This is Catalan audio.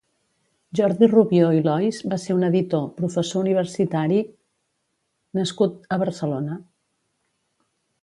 Jordi Rubió i Lois va ser un editor, professor universitari nascut a Barcelona.